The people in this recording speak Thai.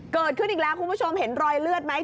เกิดขึ้นอีกแล้วคุณผู้ชมเห็นรอยเลือดไหม